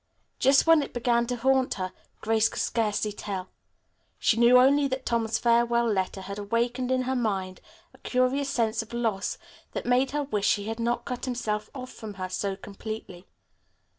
Just when it began to haunt her Grace could scarcely tell. She knew only that Tom's farewell letter had awakened in her mind a curious sense of loss that made her wish he had not cut himself off from her so completely.